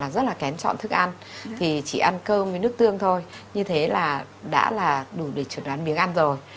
rất là kén chọn thức ăn thì chỉ ăn cơm với nước tương thôi như thế là đã là đủ để chuẩn đoán miếng ăn rồi